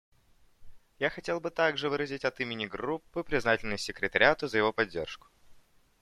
Я хотел бы также выразить от имени Группы признательность Секретариату за его поддержку.